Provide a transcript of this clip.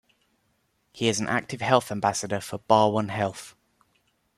He is an active health ambassador for Barwon Health.